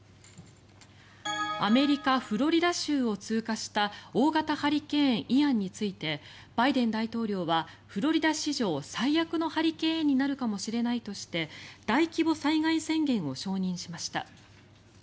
アメリカ・フロリダ州を通過した大型ハリケーン、イアンについてバイデン大統領はフロリダ史上最悪のハリケーンになるかもしれないとして大規模災害宣言を承認しました。